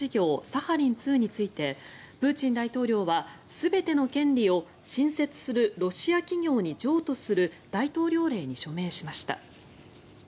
サハリン２についてプーチン大統領は、全ての権利を新設するロシア企業に譲渡する大統領令に署名しました。